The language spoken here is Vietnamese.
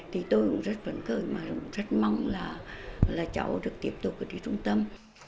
thì tôi cũng rất phấn khởi mà cũng rất mong là cháu được tiếp tục ở cái trung tâm